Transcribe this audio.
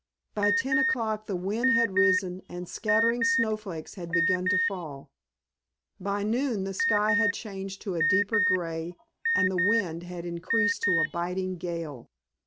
By ten o'clock the wind had risen and scattering snowflakes had begun to fall. By noon the sky had changed to a deeper grey and the wind had increased to a biting gale.